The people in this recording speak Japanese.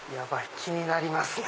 気になりますね